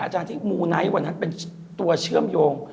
อาจารย์ที่มูไนท์วันนั้นเป็นตัวเชื่อมโยง